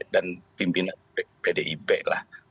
dan pimpinan pdip lah